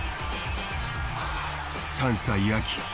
３歳秋。